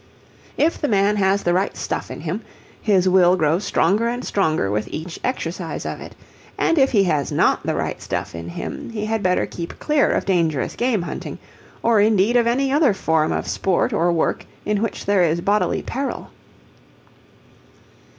If the man has the right stuff in him, his will grows stronger and stronger with each exercise of it and if he has not the right stuff in him he had better keep clear of dangerous game hunting, or indeed of any other form of sport or work in which there is bodily peril.